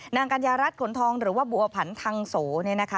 นางกัญญารัฐขนทองหรือว่าบัวพันธ์ทางสู